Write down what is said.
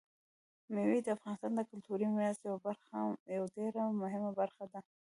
مېوې د افغانستان د کلتوري میراث یوه ډېره مهمه برخه ده.